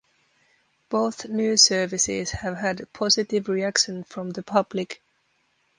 Both new services have had positive reaction from the public.